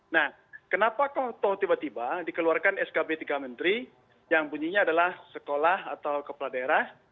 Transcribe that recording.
nah kenapa kok tiba tiba dikeluarkan skb tiga menteri yang bunyinya adalah sekolah atau kepala daerah